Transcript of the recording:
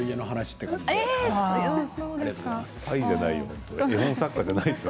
はい、じゃないよ。